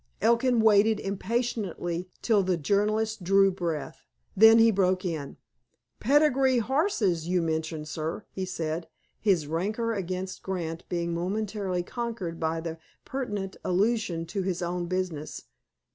Elkin waited impatiently till the journalist drew breath. Then he broke in. "Pedigree horses you mentioned, sir," he said, his rancor against Grant being momentarily conquered by the pertinent allusion to his own business.